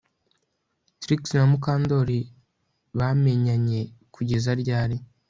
Trix na Mukandoli bamenyanye kugeza ryari